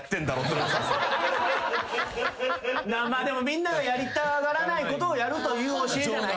みんながやりたがらないことをやるという教えじゃない？